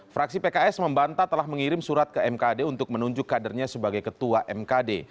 fraksi pks membantah telah mengirim surat ke mkd untuk menunjuk kadernya sebagai ketua mkd